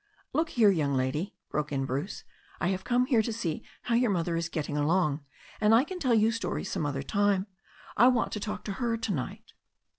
Xook here, young lady," broke in Bruce, "I have come here to see how your mother is getting along, and I can tell you stories some other time. I want to talk to her to night."